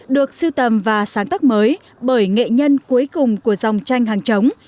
được siêu tập và sáng tắt mới bởi nghệ nhân cuối cùng của dòng tranh hàng chống